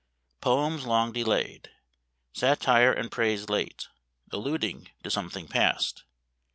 Poems long delayed. Satire and praise late, alluding to something past.